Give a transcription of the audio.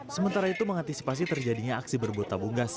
sementara itu mengantisipasi terjadinya aksi berbut tabung gas